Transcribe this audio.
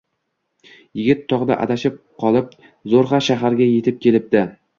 Yigit tog`da adashib qolib, zo`rg`a shaharga etib kelibdi